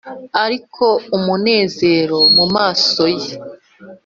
ariko umunezero mu maso ye